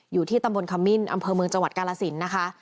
อยู่ที่ตำบลขมิ้นอำเภอเมืองจังหวัดกาลสินนะคะ